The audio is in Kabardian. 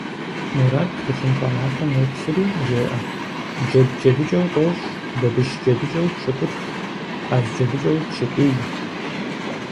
Мурат, тхылъымпӀэ напэм йоплъри, жеӀэ: Джэд джэдыкӀэу тӀощӀ, бабыщ джэдыкӀэу пщыкӀутх, къаз джэдыкӀэу пщыкӀуий.